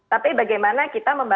tapi bagaimana kita membaikinya